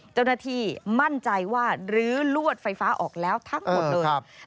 เจ้าหน้าที่มั่นใจว่าลื้อลวดไฟฟ้าออกแล้วทั้งหมดเลย